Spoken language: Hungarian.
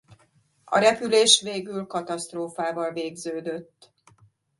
A repülés végül katasztrófával végződött.